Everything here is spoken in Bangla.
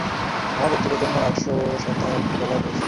আমার বক্তৃতার জন্য মাত্র একশো সাতাশ ডলার পেয়েছি।